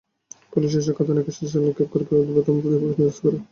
Police এসে কাঁদানে গ্যাসের শেল নিক্ষেপ করে বিবদমান দুই পক্ষকে নিরস্ত করে।